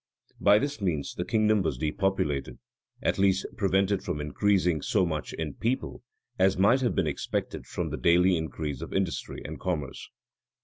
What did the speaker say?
By this means the kingdom was depopulated, at least prevented from increasing so much in people as might have been expected from the daily increase of industry and commerce.